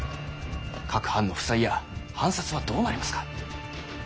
各藩の負債や藩札はどうなりますか？